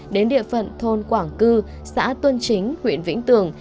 đến địa phận thôn quảng cư xã tuân chính huyện vĩnh tường